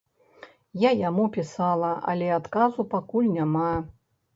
Я яму пісала, але адказу пакуль няма.